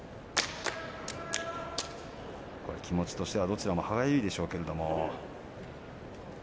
気持ちとしてはどちらも歯がゆいでしょうけれど。